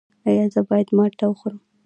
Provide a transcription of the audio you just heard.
ایا زه باید مالټه وخورم؟